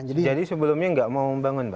jadi sebelumnya tidak mau membangun pak